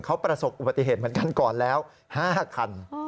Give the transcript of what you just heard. เขาประสบอุบัติเหตุเหมือนกันก่อนแล้ว๕คัน